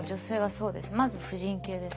まず婦人系ですね。